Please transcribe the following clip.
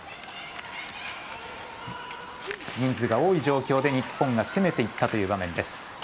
人数が多い状況で日本が攻めていった場面です。